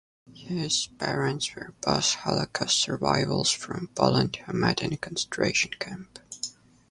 His parents were both Holocaust survivors from Poland who met in a concentration camp.